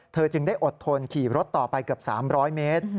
จึงได้อดทนขี่รถต่อไปเกือบ๓๐๐เมตร